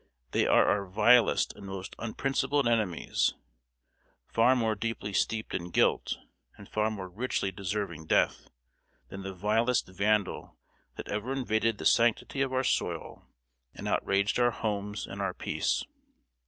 They are our vilest and most unprincipled enemies far more deeply steeped in guilt, and far more richly deserving death, than the vilest vandal that ever invaded the sanctity of our soil and outraged our homes and our peace.